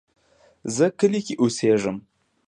زه کلی کې اوسیږم